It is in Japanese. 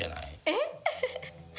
えっ？